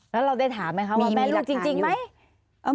แล้วเราได้ถามไหมคะว่าแม่เลือกจริงไหม